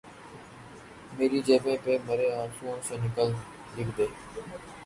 مری جبیں پہ مرے آنسوؤں سے کل لکھ دے